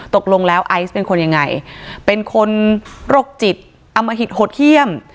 ตกลงแล้วไอซ์เป็นคนยังไงเป็นคนโรคจิตอมหิตหดเยี่ยม